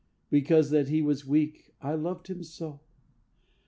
Because that he was weak I loved him so...